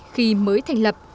khi mới thành lập